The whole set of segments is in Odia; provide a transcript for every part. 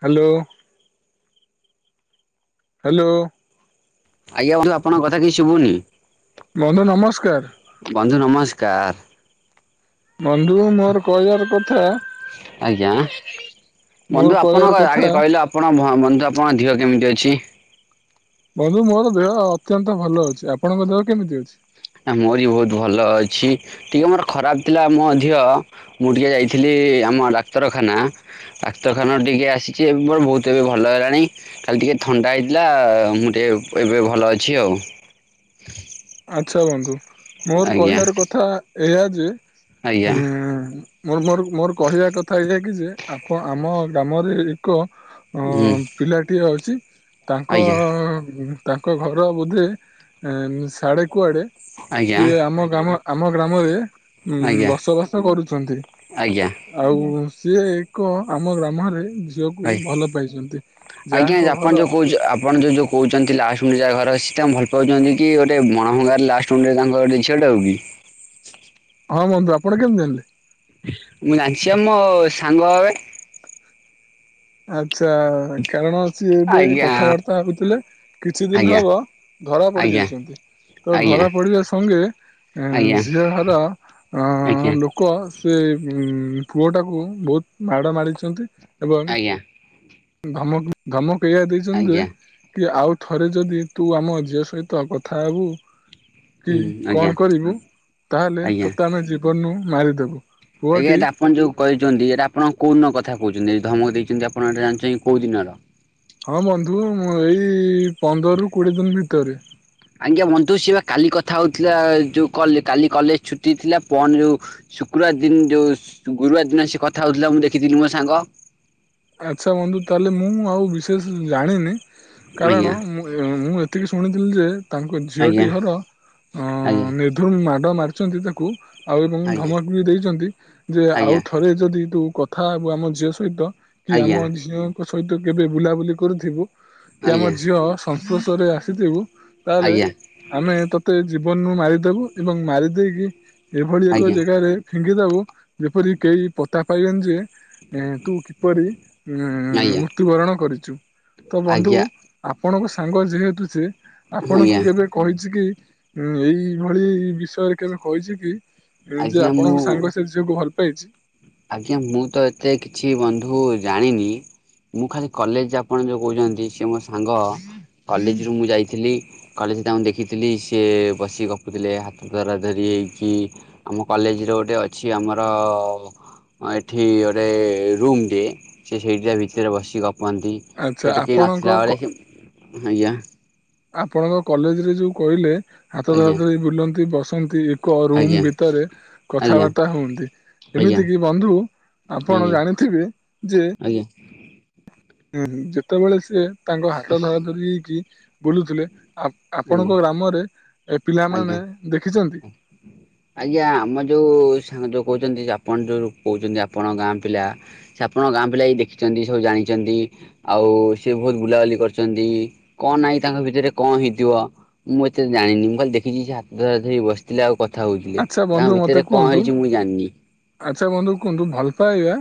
ହ୍ୟାଲୋ। ହ୍ୟାଲୋ। ଆଜ୍ଞା ବନ୍ଧୁ ଆପଣଙ୍କ କଥା କିଛି ଶୁଭୁନି। ବନ୍ଧୁ ନମସ୍କାର। ବନ୍ଧୁ ନମସ୍କାର। ବନ୍ଧୁ ମୋର କହିବାର କଥା ଆଜ୍ଞା ମୋର ବନ୍ଧୁ କହିବାର ଆପଣଙ୍କ କଥା ଆଗେ କହିଲୁ ଆପଣ ବନ୍ଧୁ ଆପଣଙ୍କ ଦିହ କେମିତି ଅଛି। ବନ୍ଧୁ ମୋର ଦେହ ଅତ୍ୟନ୍ତ ଭଲ ଅଛି ଆପଣଙ୍କ ଦେହ କେମିତି ଅଛି? ଆ ମୋରି ବହୁତ ଭଲ ଅଛି, ଟିକେ ମୋର ଖରାପ ଥିଲା ମୁ ମଧ୍ୟ ମୁଁ ଟିକେ ଯାଇଥିଲି ଆମ ଡାକ୍ତରଖାନା, ଡାକ୍ତରଖାନା ଟିକେ ଆସିଛି ବହୁତ ଭଲ ହେଲାଣି ଖାଲି ଟିକେ ଥଣ୍ଡା ହେଇଥିଲା ମୁଁ ଟିକେ ଏବେ ଭଲ ଅଛି ଆଉ। ଆଛା ବନ୍ଧୁ ମୋର ଆଜ୍ଞା। କହିବାର କଥା ଏଇ ଯେ ଆଜ୍ଞା ହୁଁ ମୋର ମୋର ମୋର କହିବା କଥା କଥା ଏହାଇଆ କି ଯେ ଆପଣ ଆମ ଗ୍ରାମରେ ଏକ ଅଁ ହୁଁ ପିଲାଟିଏ ଅଛି। ତାଙ୍କ ଆଜ୍ଞା ତାଙ୍କ ଘର ବୋଧେ ଶାଢେ କୁଆଡ଼େ ଆଜ୍ଞା ସିଏ ଆମ ଗ୍ରାମ ଆମ ଗ୍ରାମରେ [unintelligible] ମଁ ଆଜ୍ଞା ବସବାସ କରୁଛନ୍ତି। ଆଜ୍ଞା ଆଉ ସିଏ, ଏକ ଆମ ଗ୍ରାମରେ ଝିଅକୁ ଭଲ ପାଇଛନ୍ତି। [unintelligible] ଆଜ୍ଞା ଯାହାଙ୍କ ଘର ଆପଣ ଯୋଉ କୋହୁଚ, ଆପଣ ଯୋଉ ଯୋଉ କହୁଛନ୍ତି ଲାଷ୍ଟ୍ କୁ ଯାହା ଘର ଭଲ ପାଉଛନ୍ତି କି? ଗୋଟେ [unintelligible] ଲାଷ୍ଟ ମୁଣ୍ଡରେ ତାଙ୍କ ଘର ଝିଅ ଟାକୁ କି? ହଁ ବନ୍ଧୁ, ଆପଣ କେମିତି ଜାଣିଲେ? ନାଇଁ, ସେ ମୋ ସାଙ୍ଗ ହେବେ। ଆଚ୍ଛା। କାରଣ ସିଏ ଏବେ ଆଜ୍ଞା କଥାବାର୍ତ୍ତା ହୋଉଥିଲେ। କିଛି ଦିନ ଆଜ୍ଞା ହବ ଧରା ପଡି ଆଜ୍ଞା ଯାଇଛନ୍ତି। ତ ଆଜ୍ଞା ଧରା ପଡିବା ସଙ୍ଗେ ଆଜ୍ଞା ଝିଅ ଘର ଆଜ୍ଞା [inaudible] ଲୋକ ସେ ପୁଅଟାକୁ ବହୁତ୍ ମାଡ଼ ମାରିଛନ୍ତି ଏବଂ ଆଜ୍ଞା। ଧମକ, ଧମକ ଏଇଆ ଦେଇଛନ୍ତି ଆଜ୍ଞା ଯେ, କି ଆଉ ଥରେ ଯଦି, ତୁ ଆମ ଝିଅ ସହିତ କଥା ହେବୁ। କି ହୁଁ ଆଜ୍ଞା କଣ କରିବୁ, ତାହେଲେ ଆଜ୍ଞା ତୋତେ ଆମେ ଜୀବନରୁୁ ମାରିଦେବୁ। ଆଜ୍ଞା, ପୁଅଟି ଏଟା ଆପଣ ଯୋଉ କହିଛନ୍ତି। ଏଇଟା ଆପଣ କୋଉ ଦିନ କଥା କହୁଛନ୍ତି। ଧମକ ଦେଇଛନ୍ତି ଆପଣ ଏଟା ଜାଣିଛନ୍ତି କୋଉ ଦିନର? ହଁ ବନ୍ଧୁ, ମୁଁ ଏଇ ପନ୍ଦରରୁୁ କୋଡିଏ ଦିନ୍ ଭିତରେ। ଆଜ୍ଞା ବନ୍ଧୁ, ସେ ବା କାଲି କଥା ହଉଥିଲା। ଯୋଉ କଲରେ କାଲି କଲେଜ ଛୁଟି ଥିଲା [unintelligible] ଯୋଉ ଶୁକ୍ର [unintelligible] ଦିନ୍ ଯୋଉ ଗୁରୁବାର ଦିନ ସେ କଥା ହଉଥିଲା। ମୁଁ ଦେଖିଥିଲି ମୋ ସାଙ୍ଗ ଆଚ୍ଛା। [unintelligible] ତାହେଲେ ମୁଁ ଆଉ ବିଶେଷ ଜାଣିନି। ଆଜ୍ଞା କାରଣ ମୁଁ, ମୁଁ ଏତିକି ଶୁଣିଥିଲି ଯେ ତାଙ୍କ ଆଜ୍ଞା ଝିଅଟି ଘର [unintelligible] ଆଜ୍ଞା ନିଧୁମ୍ ମାଡ଼ ମାରିଛନ୍ତି ତାକୁ। ଆଉ ଏବଂ ଆଜ୍ଞା ଧମକ ବି ଦେଇଛନ୍ତି, ଯେ ଆଉ ଆଜ୍ଞା ଥରେ ଯଦି ତୁ କଥା ହବୁ ଆମ ଝିଅ ସହିତ କି ଆମ ଆଜ୍ଞା ଝିଅଙ୍କ ସହିତ ଦିନେ ବୁଲାବୁଲି କରୁଥିବୁ କି ଆମ ଝିଅ ସଂସ୍ପର୍ଶରେ ଆସିଥିବୁ ତାହେଲେ ଆଜ୍ଞା ଆଜ୍ଞା ଆମେ ତତେ ଜୀବନରୁୁ ମାରିଦବୁ ଏବଂ ମାରି ଦେଇକି ଏଭଳି ଏକ ଆଜ୍ଞା ଜେଗାରେ ଫିଙ୍ଗି ଦୋବୁ ଯେପରି କେହି ପତା ପାଇବେନି ଯେ ଏଁ ତୁ କିପରି ଉଁ ମୃତ୍ୟୁବରଣ କରିଚୁ? ତ ବନ୍ଧୁ ଆଜ୍ଞା ଆଜ୍ଞା ଆପଣଙ୍କ ସାଙ୍ଗ ଯେହେତୁ ସେ ଆପଣଙ୍କୁ ଆଜ୍ଞା କେବେ କହିଛି କି ଉଁ ଏଇଭଳି ବିଷୟରେ କେବେ କହିଛି କି, ଯେ, ଆଜ୍ଞା ମୁଁ ଆପଣଙ୍କ ସାଙ୍ଗ ସେ ଝିଅକୁ ଭଲ୍ ପାଇଛି ଆଜ୍ଞା, ମୁଁ ତ ଏତେ କିଛି ବନ୍ଧୁ ଜାଣିନି। ମୁଁ ଖାଲି କଲେଜ ଆପଣ ଯୋଉ କୋଉଚନ୍ତି, ସିଏ ମୋ ସାଙ୍ଗ କଲେଜ୍ ରୁ ମୁଁ ଯାଇଥିଲି। କଲେଜ୍ ତାଙ୍କୁ ଦେଖିଥିଲି, ସିଏ ବସିକି ଗପୁଥିଲେ ହାତ ଧରା ଧରି ହେ ହେଇକି ଆମ କଲେଜରେ ଗୋଟେ ଅଛି ଆମର ଏଠି ଗୋଟେ ରୁମ୍ ଟେ, ସିଏ ସେଇଠି ତା ଭିତରେ ବସି ଗ ହୁଅନ୍ତି ଆଚ୍ଛା ସେଠୁ କେହି ଆପଣଙ୍କ ନଥିଲାବେଳେ ହିଁ ଆଜ୍ଞା। ଆପଣଙ୍କ କଲେଜରେ ଯୋଉ କହିଲେ ହାତ ଧରା ଆଜ୍ଞା ଧରି ବୁଲନ୍ତି, ବସନ୍ତି ରୁମ୍ ଆଜ୍ଞା ଭିତରେ ଆଜ୍ଞା କଥାବାର୍ତ୍ତା ହୁଅନ୍ତି। ଆଜ୍ଞା ଏମିତି କି ବନ୍ଧୁ ଆପଣ ଆଜ୍ଞା ଜାଣିଥିବେ ଯେ ଆଜ୍ଞା ହୁଁ, ଯେତେବେଳେ ସିଏ ତାଙ୍କ ହାତ ଧରା ଧରି ହେଇକି ବୁଲୁଥିଲେ ଆ ଆଜ୍ଞା ଆପଣଙ୍କ ଗ୍ରାମରେ, ଏ ଆଜ୍ଞା ପିଲାମାନେ ଦେଖିଛନ୍ତି? ଆଜ୍ଞା, ଆମ ଯୋଉ ସା କୋହୁଛନ୍ତି ଯେ ଆପଣ ଯୋଉ କୋହୁଚନ୍ତି, ଆପଣଙ୍କ ଗାଁ ପିଲା ସେ ଆପଣଙ୍କ ଗାଁ ପିଲା ଇ ଦେଖିଛନ୍ତି ସବୁ ଜାଣିଚନ୍ତି। ଆଉ, ସେ ବୋହୁତ ବୁଲାବୁଲି କରିଚନ୍ତି। କଁ ନାଇଁ ତାଙ୍କ ଭିତରେ କଁ ହେଇ ଥିବ ମୁଁ ଏତେ ଜାଣିନି ମୁଁ ଖାଲି ଦେଖିଚି ହାତ ଧରା ଧରି ହେଇ ବସିଥିଲେ ଆଉ କ ଥା ହଉଥିଲେ, ଆଚ୍ଛା ବନ୍ଧୁ ତାଙ୍କ ମତେ ଭିତରେ କଁ କୁହନ୍ତୁ ହେଇଚି ମୁଁ ଜାଣିନି। ଆଚ୍ଛା! ବନ୍ଧୁ କୁହନ୍ତୁ ଭଲ ପାଇବା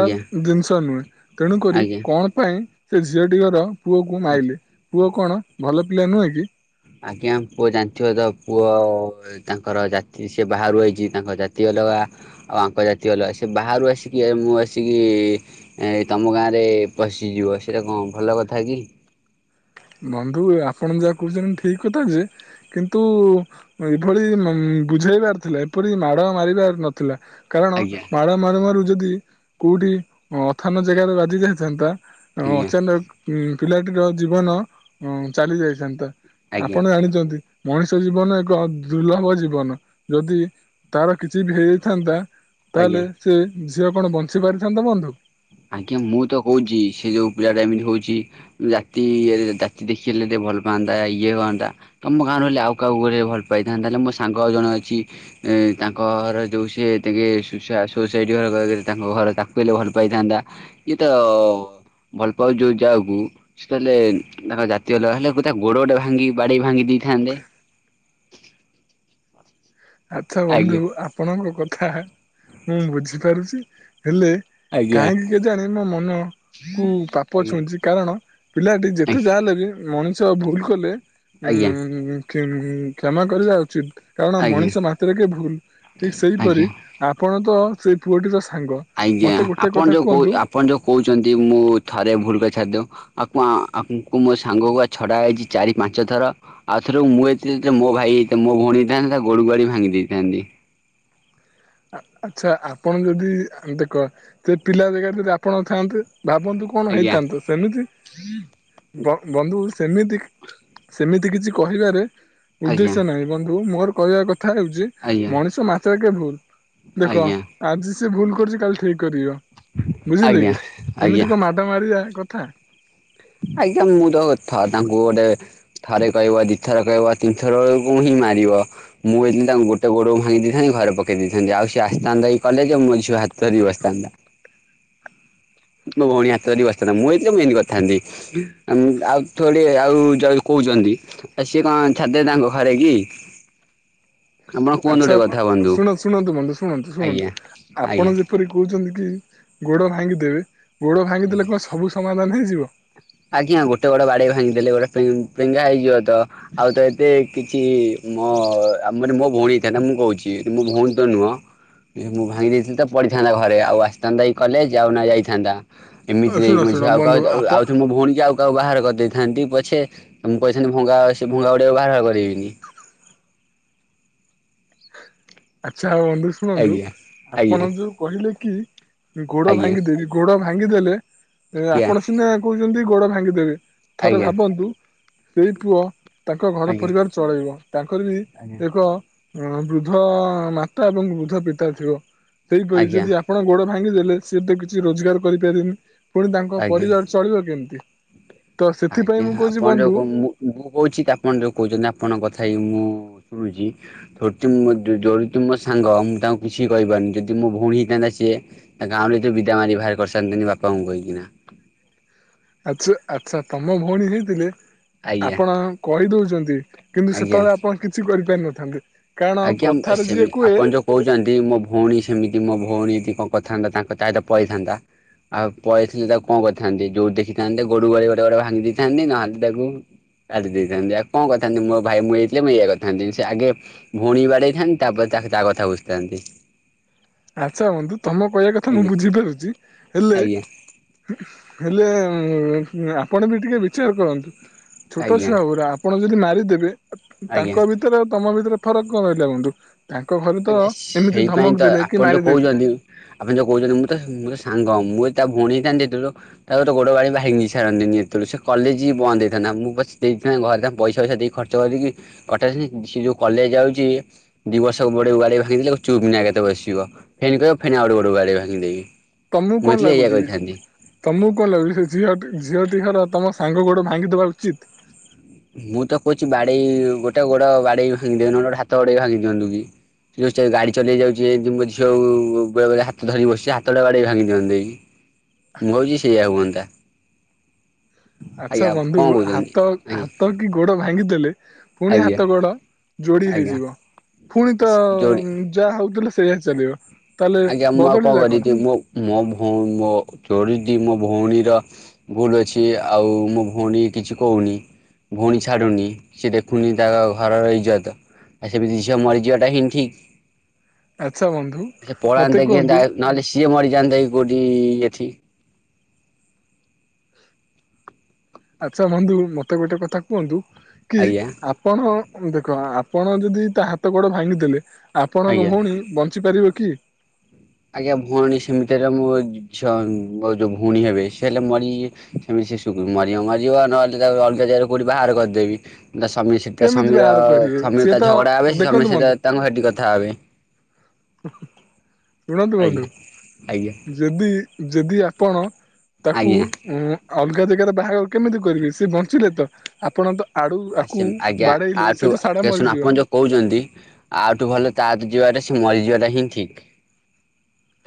ଆଜ୍ଞା ଜିନ୍ଷ ନୁହେଁ, ତେଣୁକରି ଆଜ୍ଞା କଣ ପାଇଁ ସେ ଝିଅଟିି ଘର ପୁଅକୁ ଆଚ୍ଛା ମାଇଲେ, ପୁଅ କଣ ଭଲ ପିଲା ନୁହେଁ କି? ଆଜ୍ଞା ପୁଅ ଜାଣିଥିବ ତ ପୁଅ ତାଙ୍କର ଜାତି ସେ ବାହାରୁ ଆଇଛି ତାଙ୍କ ଜାତୀଅ ଅଲଗା ଆଉ ଆଙ୍କ ଜାତୀୟ ଅଲଗା ସେ ବାହାରୁ ଆସିକି ମୁଁ ଆସିକି ତମ ଗାଁରେ ଏ ପଶିଯିବ ସେଇଟା କଁ ଭଲ କଥା କି [unintelligible] ବନ୍ଧୁ ଆପଣ ଯାହା କୋହୁଚନ୍ତି ଠିକ୍ କଥା ଯେ କିନ୍ତୁ ଏଭଳି ନୁଁ ବୁଝେଇବାର ଥିଲା ଏପରି ମାଡ ମାରିବାର ନଥିଲା। କାରଣ ଆଜ୍ଞା ମାଡ ମାରୁମାରୁ ଯଦି କୋଉଠି ଅଥାନ ଜାଗାରେ ବାଜି ଯାଇଥାନ୍ତା ଆଜ୍ଞା ଅଚାନକ୍ ପିଲାଟିର ଜୀବନ ହଁ ଚାଲି ଯାଇଥାନ୍ତା ଆଜ୍ଞା ଆପଣ ଜାଣିଚନ୍ତି ମଣିଷ ଜୀବନ ଏକ ଦୁର୍ଲଭ ଜୀବନ ଯଦି ତାର କିଛି ବି ହେଇଯାଇଥାନ୍ତା ତାହେଲେ ଆଜ୍ଞା। ସେ ଝିଅ କଣ ବଞ୍ଚି ପାରି ଥାନ୍ତା ବନ୍ଧୁ? ଆଜ୍ଞା ମୁଁ ତ କୋହୁଚି ସେ ଯୋଉ ପିଲାଟା ଏମିତି ହଉଚି ଜାତି, ଜାତି ଦେଖିଲେ ଦେ ଭଲ୍ ପାଆନ୍ତା ଇଏ ହଅନ୍ତା ତମ ଗାଁ ର ହେଲେ ଆଉ କାହାକୁ ଗୋରେ ଭଲ ପାଇଥାନ୍ତା ହହେଲେ ମୋ ସାଙ୍ଗଉ ଜଣେ ଅଛି ଏ ତାଙ୍କ ଘର ଯୋଉ ସି ତାଙ୍କେ ସୋସାଇଟି ଘର ତାଙ୍କ ଘର ତାକୁ ହେଲେ ଭଲ ପାଇ ଥାନ୍ତା ଇଏତ ଭଲ୍ ପାଉଚି ଯୋଉ ଯାହାକୁ ସେ ତାହେଲେ ତାଙ୍କ ଜାତୀ ଅଲଗା ହେଲେ ତା ଗୋଡ ଗୋଟେ ଭାଙ୍ଗି ବାଡେଇ ଭାଙ୍ଗି ଦି ଥାନ୍ଦେ [unintelligible] ଆଚ୍ଛା ବନ୍ଧୁ ଆଜ୍ଞା ଆପଣଙ୍କ କଥା ମୁଁ ବୁଝିପାରୁଛି ହେଲେ ଆଜ୍ଞା କାହିଁକି କେ ଜାଣ ମୋ ମନ କୁ ପାପ ଆଜ୍ଞା ଛୁଇଁଛି କାରଣ ପିଲାଟି ଯେତେ ଯାହା ହେଲେ ବି ମଣି ଷ ଭୁଲ୍ କଲେ ଆଜ୍ଞା ଉଁ କ୍ଷମା କରିବା ଉଚିତ୍ କାରଣ ମଣି ଆଜ୍ଞା ଶ ମାତ୍ରେକେ ଭୁଲ୍ ଠିକ୍ ସେଇପରି ଆଜ୍ଞା। ଆପଣ ତ ସେଇ ପୁଅଟିର ସାଙ୍ଗ ଆଜ୍ଞା ମତେ ଗୋଟେ ଆପଣ କଥା ଯୋଉ କୋଉ କୁହନ୍ତୁ ଆପଣ ଯୋଉ କହୁଚନ୍ତି ମୁଁ ଥରେ ଭୁଲ କରି ଛାଡିଦୋଉ ଆକୁଆ ଆଙ୍କୁ ମୋ ସାଙ୍ଗ କ ଛଡା ହୋଇଛି ଚାରି ପାଞ୍ଚ ଥର ଆଉଥର ମୁଁ ଏ ମୋ ଭାଇ ଏଇ ତ ମୋ ଭଉଣୀ ହେଇଥାନ୍ତା ତା ଗୋଡୁକୁ ବାଡି ଭାଙ୍ଗି ଦେଇଥାନ୍ତି। [inaudible] ଆଚ୍ଛା ଆପଣ ଯଦି ଏମିତି କ ସେ ପିଲା ଜାଗାରେ ଯଦି ଆପଣ ଥାଆନ୍ତେ। ଭାବନ୍ତୁ କଣ ଆଜ୍ଞା ହେଇଥାନ୍ତ। ସେମିତି ବନ୍ଧୁ ସେମିତି ସେମି କିଛି କହିବାରେ ଆଜ୍ଞା ଉଦ୍ଦେଶ୍ୟ ନାହିଁ। ବନ୍ଧୁ ମୋର କହିବା କଥା ହେଉଛି ଆଜ୍ଞା ମଣିଷ ମାତ୍ରେ ଭୁଲ, ଦେଖ ଆଜ୍ଞା ଆଜି ସେ ଭୁଲ କରୁଛି କାଲି ଠିକ କରିବ। ବୁଝିଲେ ଆଜ୍ଞା କି ଆଜ୍ଞା ଏମିତି କଣ ମାଡ଼ ମାରିବା କଥା। ଆଜ୍ଞା ମୁଁ ତ [unintelligible] ତାଙ୍କୁ ଗୋଟେ ଥରେ କହିବ ଦିଇଥର କହିବ ତିନିଥର ବେଳକୁ ହିଁ ମାରିବ। ମୁଁ ଯଇଥିଲି ତାଙ୍କୁ ଗୋଟେ ଗୋଡକୁ ଭାଙ୍ଗି ଦେଇଥାନ୍ତି ଘରେ ପକେଇ ଦେଇଥାନ୍ତି। ଆଉ ସିଏ ଆସିଥାନ୍ତା କଲେଜ। ମୋ ଝିଅ ହାତ ଧରିକି ବସିଥାନ୍ତା। [inaudible] ମୋ ଭଉଣୀ ହାତଧରିକି ବସିଥାନ୍ତା। ମୁଁ ହେଇଥିଲେ ମୁଁ ଏମତି କରିଥାନ୍ତି। ଆଉ ଥୋଡ଼ି ଆଉ ଯଦି କୋଉ ଦେଖୁଛନ୍ତି, ସେ କଣ ଛାଡ଼ିଦେବେ ତାଙ୍କ ଘରେ କି! [inaudible] ଆପଣ କୁହନ୍ତୁ ଆଚ୍ଛା ଗୋଟେ କଥା ଆପଣ ବନ୍ଧୁ ଶୁଣନ୍ତୁ ଶୁଣନ୍ତୁ ବନ୍ଧୁ ଶୁଣନ୍ତୁ ଆଜ୍ଞା ଶୁଣନ୍ତୁ ଆଜ୍ଞା ଆପଣ ଯେପରି କହୁଛନ୍ତି କି ଗୋଡ ଭାଙ୍ଗି ଦେବେ ଗୋଡ ଭାଙ୍ଗିଦେଲେ ଆଜ୍ଞା। କଣ ସବୁ ସମାଧାନ ହେଇଯିବ। ଆଜ୍ଞା ଗୋଟେ ବାଡେଇକି ଭାଙ୍ଗି ଦେଲେ ଗୋଟେ ପେ ପେଙ୍ଗା ହେଇଯିବ ତ। ଆଉ ତ ଏତେ କିଛି ମୋ ଆମର ମୋ ଭଉଣୀ ହେଇଥାନ୍ତା ମୁଁ କହୁଛି। ମୋ ଭଉଣୀ ତ ନୁହଁ ମୁଁ ଭାଙ୍ଗି ଦେଇଥିଲି ତ ପଡିିଥାନ୍ତା ଘରେ ଆଉ ଆସିଥାନ୍ତା କି କଲେଜ ଆଉ ନା ଯାଇଥାନ୍ତା। ଏମିତି ଆଉ ରେ ଶୁଣ ମଣିଷ। ଶୁଣ ବନ୍ଧୁ ଆପ [unintelligible] ପୁଣିକି ଆଉ କାହାକୁ ବାହାଘର କରିଦେଇଥାନ୍ତି ପଛେ, ମୁଁ କହିଥାନ୍ତି ଭଙ୍ଗା ସେ ଭଙ୍ଗା ଗୁଡିଆ କୁ ବାହାଘର କରିବିନି। [inaudible] ଆଚ୍ଛା ବନ୍ଧୁ ଶୁଣନ୍ତୁ ଆଜ୍ଞା ଆଜ୍ଞା ଆପଣ ଯୋଉ କହିଲେ କି ଗୋଡ ଆଜ୍ଞା। ଭାଙ୍ଗିଦେବି ଗୋଡ ଭାଙ୍ଗିଦେଲେ ଆପଣ ସିନା କହୁଛନ୍ତି ଗୋଡ ଭାଙ୍ଗିଦେବେ ଥରେ ଆଜ୍ଞା ଭାବନ୍ତୁ ସେଇ ପୁଅ ତାଙ୍କ ଘର ଆଜ୍ଞା ପରିବାର ଚଳେଇବ। ତାଙ୍କର ବି ଆଜ୍ଞା ଏକ ବୃଦ୍ଧ ମାତା ଏବଂ ବୃଦ୍ଧ ପିତା ଥିବ। ଆଜ୍ଞା ସେଇପରି ଆଜ୍ଞା ଯଦି ଆପଣ ଗୋଡ ଭାଙ୍ଗିଦେଲେ ସିଏ ତ କିଛି ରୋଜଗାର କରିପାରେନି ପୁଣି ତାଙ୍କ ଆଜ୍ଞା ପରିବାର ଚଳିବ କେମିତି? ତ ସେଥିପାଇଁ ମୁଁ ଆଜ୍ଞା କହୁଛି ଆପଣ ବନ୍ଧୁ ଯୋଉ କହୁ ମୁଁ ମୁଁ କହୁଛି ତ ଆପଣ ଯୋଉ କହୁଛନ୍ତି ଆପଣଙ୍କ କଥା ହେଇ ମୁଁ ଶୁଣୁଛି [unintelligible] ମୋ ସାଙ୍ଗ ମୁଁ ତାଙ୍କୁ କିଛି କହିପାରୁନି। ଯଦି ମୋ ଭଉଣୀ ହେଇଥାନ୍ତା ସେ ତା ଗାଁ ରୁ ତ ବିଧା ମାରି ବାହାର କରିସାରନ୍ତିନି ବାପାଙ୍କୁ କହିକିନା। [inaudible] ଆଚ୍ଛା ଆଚ୍ଛା ତମ ଭଉଣୀ ହେଇଥିଲେ ଆଜ୍ଞା ଆପଣ କହିଦଉଛନ୍ତି କିନ୍ତୁ ଆଜ୍ଞା ସେତେବେଳେ ଆପଣ କିଛି କରିପାରିନଥାନ୍ତେ। କାରଣ ଆଜ୍ଞା କଥାରେ ଯିଏ ସେମି କୁହେ ଆପଣ ଯୋଉ କହୁଛନ୍ତି ମୋ ଭଉଣୀ ସେମିତି ମୋ ଭଉଣୀ ଯଦି କଣ କରିଥାନ୍ତା ତାଙ୍କ ତା ସହିତ ପଳେଇଥାନ୍ତା ଆଉ ପଳେଇଥିଲେ ତାକୁ କଣ କରିଥାନ୍ତି ଯୋଉଠି ଦେଖିଥାନ୍ତେ ତାକୁ ଗୋଡ ବାଡେଇ ବାଡେଇ ଭାଙ୍ଗି ଦେଇଥାନ୍ତି। ନହେଲେ ତାକୁ କାଟି ଦେଇଥାନ୍ତି। ଆଉ କଣ କରିଥାନ୍ତି ମୋ ଭାଇ ମୁଁ ହେଇଥିଲେ ମୁଁ ଏଇଆ କରିଥାନ୍ତି। ସେ ଆଗେ ଭଉଣୀ କି ବାଡ଼େଇଥାନ୍ତି ତାପରେ ତାକୁ ତା କଥା ବୁଝିଥାନ୍ତି। ଆଚ୍ଛା ବନ୍ଧୁ ତମ କହିବା କଥା ମୁଁ ଆଜ୍ଞା ବୁଝିପାରୁଛି ହେଲେ ଆଜ୍ଞା ହେଲେ ଆପଣ ବି ଟିକେ ବିଚାର କରନ୍ତୁ। ଛୋଟ ଆଜ୍ଞା ଛୁଆଗୁରା ଆପଣ ଯଦି ମାରିଦେବେ ଆଜ୍ଞା। ତାଙ୍କ ଭିତରେ ଆଉ ତମ ଭିତରେ ଫରକ କଣ ରହିଲା ବନ୍ଧୁ? ତାଙ୍କ ଘରେ ତ ଆଜ୍ଞା ଏମିତି ସେଇପାଇଁ ଧମକ ତ ଦେଲେ କି ଆପଣ ଯୋଉ ମାରିଦେବେ କହୁଛନ୍ତି ଆପଣ ଯୋଉ କହୁଛନ୍ତି ମୁଁ ତ ମୁଁ ତ ସାଙ୍ଗ ମୁଁ ଯଦି ତା ଭଉଣୀ ହେଇଥାନ୍ତି ହେତେବେଳୁ ତା ଗୋଟେ ଗୋଡ ଗାଡ଼ି ଭାଙ୍ଗି ସାରନ୍ତିନି। ଏତେବେଳୁ ସେ କଲେଜି ବନ୍ଦ ହେଇଥାନ୍ତା। ନା ମୁଁ ପଛେ ଦେଇଥାନ୍ତି ଘରେ ତା ପଇସା ପଇସା ଦେଇକି ଖର୍ଚ୍ଚ କରିକି ଅଟ ଯଉ କଲେଜ ଯାଉଛି ଦି ବର୍ଷ ତା ଗୋଡ଼ କୁ ବାଡେଇ ଭାଙ୍ଗିଲେ ଚୁ୍ପ୍ କିନା ଏକାଥରେ ବସିବ। ଫେନ୍ କହିବେ ଆଉ ଗୋଟେ ଗାଡ଼ି ଭାଙ୍ଗିଦେବି। ତମକୁ ମୁଁ କଣ ହେଇଥିଲେ ଏଇଆ ଲାଗୁଛି କରିଥାନ୍ତି। ତମକୁ କଣ ଲାଗୁଛି ସେ ଝିଅଟି ଝିଅଟି ଘର ତମ ସାଙ୍ଗ ଗୋଡ଼ ଭାଙ୍ଗିଦବା ଉଚିତ୍ ମୁଁ ତ କହୁଛି ବାଡେଇ ଗୋଟେ ଗୋଡ ବାଡେଇ ଭାଙ୍ଗି ଦିଅନୁ ନ ହେଲେ ଗୋଟେ ହାତ ବଡେଇ ଭାଙ୍ଗି ଦିଅନ୍ତୁ କି। ଚ ଗାଡି ଚଲେଇ ଯାଉଛି ଯେ ଝିଅଉ ବେଳେବେଳେ ହାତ ଧରିି ବସିଛି ହାତଟା ବାଡେଇ ଭାଙ୍ଗି ଦିଅନ୍ତେ କି। ମୁଁ ଭାବୁଚିସେଇଆ ହୁଅନ୍ତା। ଆଚ୍ଛା ଆଜ୍ଞା ବନ୍ଧୁ କଣ କହୁଛନ୍ତି ହାତ ଆଜ୍ଞା ହାତ କି ଗୋଡ ଭାଙ୍ଗିଦେଲେ ପୁଣି ଆଜ୍ଞା ହାତ ଗୋଡ ଯୋଡି ଆଜ୍ଞା ହେଇଯିବ ପୁଣି ତ ଆସି ଯୋଡ଼ି ଯାହା ହଉଥିଲା ସେଇଆ ଚାଲିବ। ତାହେଲେ ଆଜ୍ଞା ମୁଁ ଆଉ କଣ ବଦଳିଲା କରିିବି ମୋ ମୋ ହ ମୋ ଚୋରିଜି ମୋ ଭଉଣୀର ଭୁଲ ଅଛି ଆଉ ମୋ ଭଉଣୀ କିଛି କହୁନି ନି ଭଉଣୀ ଛାଡୁନି ସେ ଦେଖୁନି ତା ଘରର ଇଜ୍ଜତ ଆ ସେମିତି ଝିଅ ମରିଯିବାଟା ହିଁ ଠିକ। ଆଚ୍ଛା ବନ୍ଧୁ ସେ ମତେ ପଳାତା କି ତା କୁହନ୍ତୁ ନହେଲେ ସିଏ ମରିଯାଆନ୍ତା କୋଉଠି ଏଠି ଆଚ୍ଛା ବନ୍ଧୁ ମତେ ଗୋଟେ କଥା କୁହନ୍ତୁ କି ଆଜ୍ଞା ଆପଣ ଦେଖ ଆପଣ ଯଦି ତା ହାତ ଗୋଡ ଭାଙ୍ଗିଦେଲେ ଆପଣଙ୍କ ଆଜ୍ଞା ଭଉଣୀ ବଞ୍ଚି ପାରିବ କି? ଆଜ୍ଞା ଭଉଣୀ ସେମିତି ରେ ମ ଝିଅ ମର ଯୋଉ ଭଉଣୀ ହେବେ ସେ ହେଲେ ମଲି କି ସେମିତି ସେ ମରିବ ମରିବ ନହେଲେ ତାକୁ ଅଲଗା ଜାଗାରେ କଉଠି ବାହାଘର କରିଦେବି। ତା ସାମୀ ସେ ତ କେମିତି ସାମୀର ବାହାର କରିବେ ସାମୀର ସିଏ ତା ତ ଝଗଡା ହବେ ସେ ଦେଖନ୍ତୁ ସାମୀୟ ସହିତ ବନ୍ଧୁ ତାଙ୍କୁ ସେଠି କଥା ହେବେ [inaudible] ଶୁଣନ୍ତୁ ବନ୍ଧୁ ଆଜ୍ଞା ଆଜ୍ଞା ଯଦି ଯଦି ଆପଣ ତାକୁ ଆଜ୍ଞା ଉ ଅଲଗା ଜାଗାରେ ବାହାଘର କେମିତି କରିବେ ସେ ବଞ୍ଚିଲେ ତ ଆପଣ ତ ଆଡୁ ଆକୁ ସେମୀ ଆଜ୍ଞା ବାଡେଇଲେ ସେ ଆଠୁ ତ ସାଢେ ଆଜ୍ଞା ଶୁଣ ମରିଯିବ ଆପଣ ଯୋଉ କହୁଛନ୍ତି ଆଉଠୁ ଭଲ ତା ଯିବାରେ ସେ ମରିଯିବା ଟା ହିଁ ଠିକ।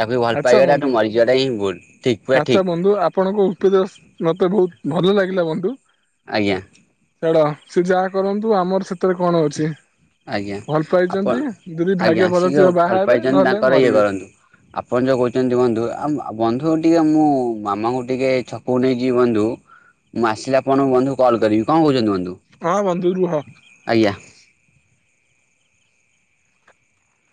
ତାକୁ ବି ଭଲ ଆଚ୍ଛା ପାଇବାଟା ବନ୍ଧୁ ଠୁ ମରିଯିବାଟା ହିଁ ଭୁଲ ଠିକ ପୁରା ଆଚ୍ଛା ଠିକ। ବନ୍ଧୁ ଆପଣଙ୍କ ଉପଦେଶ ମତେ ବହୁତ ଭଲ ଲାଗିଲା ବନ୍ଧୁ। ଆଜ୍ଞା। ଛାଡ଼ ସେ ଯାହା କରନ୍ତୁ ଆମର ସେଥିରେ କଣ ଅଛି। ଆଜ୍ଞା ଭଲ ଆପଣ ପାଇଛନ୍ତି ଯଦି ଭାଗ୍ୟ ଆଜ୍ଞା ଭଲ ସେ ଥିବ ଯୋଉ ବାହା ଭଲ ହେବେ ପାଇଛନ୍ତି ନହେଲେ ତାଙ୍କରେ ଇଏ ମରିବେ କରନ୍ତୁ। ଆପଣ ଯୋଉ କହୁଚ ବନ୍ଧୁ ବନ୍ଧୁ ଆ ବନ୍ଧୁ ଟିକେ ମୋ ମାମାଙ୍କୁ ଟିକେ ଛକ ନେଇଯିବ ବନ୍ଧୁ। ମୁଁ ଆସିଲେ ଆପଣଙ୍କୁ ବନ୍ଧୁ କଲ କରିବି କଣ କହୁଛନ୍ତି ବନ୍ଧୁ। ହଁ ବନ୍ଧୁ ରୁହ। ଆଜ୍ଞା।